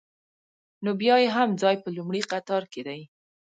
نو بیا یې هم ځای په لومړي قطار کې دی.